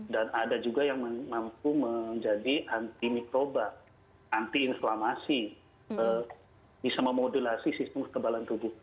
dan ada juga yang mampu menjadi anti mikroba anti inflamasi bisa memodulasi sistem ketebalan tubuh